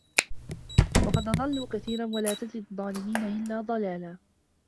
وَقَد أَضَلّوا كَثيرًا وَلا تَزِدِ الظّالِمينَ إِلّا ضَلالًا